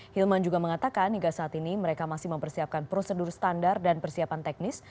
hilman juga mengatakan hingga saat ini mereka masih mempersiapkan prosedur standar dan persiapan teknis